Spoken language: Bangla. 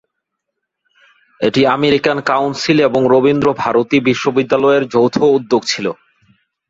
এটি আমেরিকান কাউন্সিল এবং রবীন্দ্র ভারতী বিশ্ববিদ্যালয়ের যৌথ উদ্যোগ ছিল।